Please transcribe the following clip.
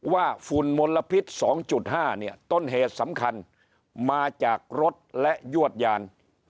ฝุ่นมลพิษ๒๕เนี่ยต้นเหตุสำคัญมาจากรถและยวดยาน